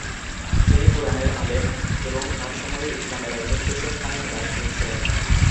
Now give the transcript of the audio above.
তিনি কুরআনের আলেম এবং তার সময়ে ইসলামের একজন শীর্ষস্থানীয় দার্শনিক ছিলেন।